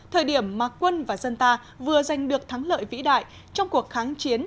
thời điểm mà quân và dân ta vừa giành được thắng lợi vĩ đại trong cuộc kháng chiến